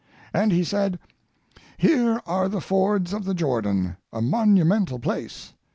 And he said: "Here are the Fords of the Jordan—a monumental place.